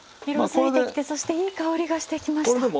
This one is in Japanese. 色づいてきてそしていい香りがしてきました。